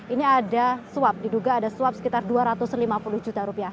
ini ada suap diduga ada suap sekitar dua ratus lima puluh juta rupiah